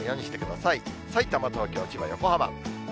さいたま、東京、千葉、横浜。